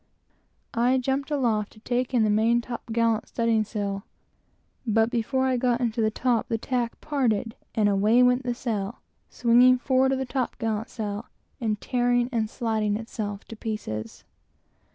I sprang aloft to take in the main top gallant studding sail, but before I got into the top, the tack parted, and away went the sail, swinging forward of the top gallant sail, and tearing and slatting itself to pieces.